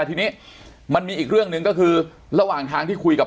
ทีนี้มันมีอีกเรื่องหนึ่งก็คือระหว่างทางที่คุยกับ